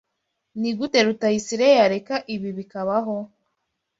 Nigute Rutayisire yareka ibi bikabaho?